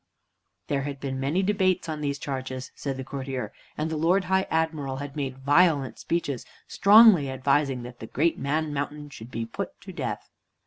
There had been many debates on these charges, said the courtier, and the Lord High Admiral had made violent speeches, strongly advising that the Great Man Mountain should be put to death.